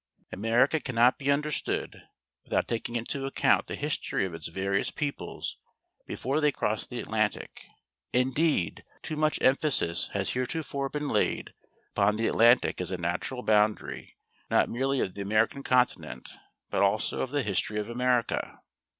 America cannot be understood without taking into account the history of its various peoples before they crossed the Atlantic. Indeed, too much emphasis has heretofore been laid upon the Atlantic as a natural boundary not merely of the American continent, but also of the history of America.